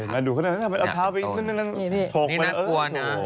มาดูขนาดนั้นทำไมเอาเท้าไปนั่นนี่น่ากลัวนะ